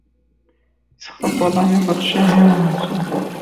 اس خاک کو اللہ نے بخشے ہیں وہ آنسو